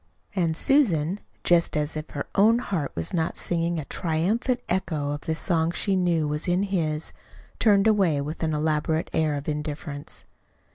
And Susan, just as if her own heart was not singing a triumphant echo of the song she knew was in his, turned away with an elaborate air of indifference.